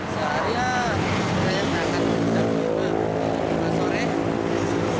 sehari hari saya akan berjalan ke jawa tengah